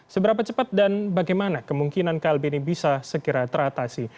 seberapa cepat dan bagaimana kemungkinan klb ini bisa segera teratasi